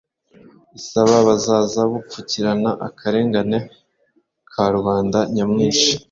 isaba bwazaza bupfukirana akarengane ka "rubanda nyamwinshi".